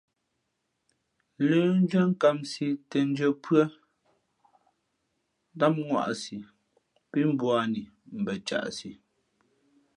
Lə́ndʉ́ά nkāmsī těndʉ̄ᾱ pʉ́ά tám ŋwāꞌsī pí mbūαni mbα caʼsi.